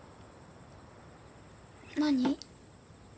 何？